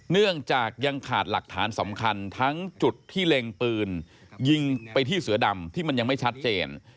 เนื่องจากยังขาดหลักฐานสำคัญทั้งจุดที่เล็งปืนยิงไปที่เสือดำที่มันยังไม่ชัดเจน